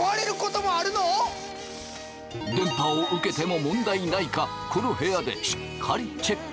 電波を受けても問題ないかこの部屋でしっかりチェック！